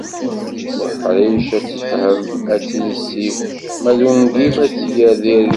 Uḥric ad tt-ifhem ad tt-issif ma d ungif ad tt-yerr di rrif.